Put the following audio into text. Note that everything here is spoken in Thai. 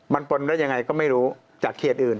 มันปนได้ยังไงก็ไม่รู้จากเขตอื่น